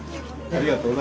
ありがとう。